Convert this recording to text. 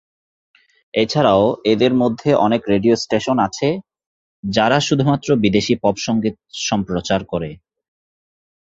এছাড়াও এদের মধ্যে অনেক রেডিও স্টেশন আছে যারা শুধুমাত্র বিদেশী পপ সঙ্গীত সম্প্রচার করে।